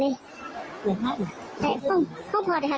เดี๋ยวภาพหนึ่งคุณพ่อได้หาได้ไหม